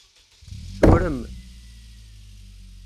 Turem.